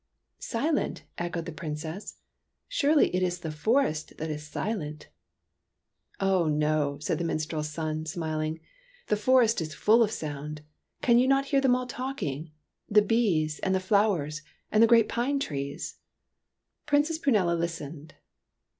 " Silent ?" echoed the Princess. " Surely, it is the forest that is silent !"" Oh, no," said the minstrel's son, smiling ;" the forest is full of sound. Can you not hear them all talking, —the bees and the flowers and the great pine trees ?" Princess Prunella listened.